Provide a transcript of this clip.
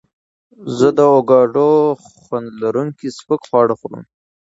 زه د اوکاډو خوند لرونکي سپک خواړه خوړم.